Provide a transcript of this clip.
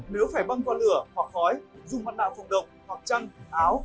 nếu phải băng qua lửa hoặc khói dùng mặt nạ phòng độc hoặc chăn áo